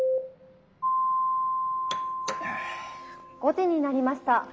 「５時になりました。